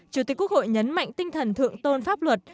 chủ tịch quốc hội nhấn mạnh tinh thần thượng tôn pháp luật